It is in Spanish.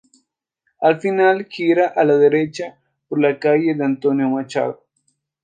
Al final, gira a la derecha por la calle de Antonio Machado.